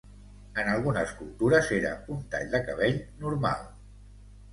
En algunes cultures era un tall de cabell normal.